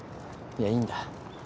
いやいいんだ。